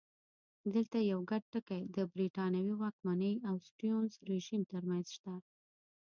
دلته یو ګډ ټکی د برېټانوي واکمنۍ او سټیونز رژیم ترمنځ شته.